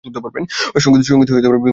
সঙ্গীত বিবেকানন্দ ভট্টাচার্যের।